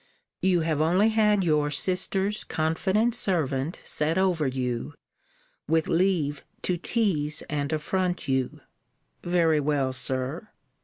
You have only had your sister's confident servant set over you, with leave to tease and affront you ! Very well, Sir!